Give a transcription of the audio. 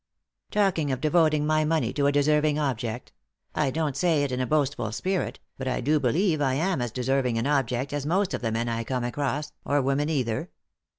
" Talking of devoting my money to a deserving object ; I don't say it in a boastful spirit, but I do believe I am as deserving an object as most of the men I come across, or women either.